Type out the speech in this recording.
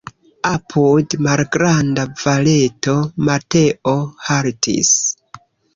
Apud malgranda valeto Mateo haltis.